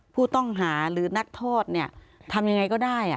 ผู้ต้องหาหรือนักโทษเนี่ยทำยังไงก็ได้